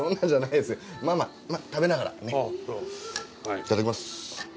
いただきます。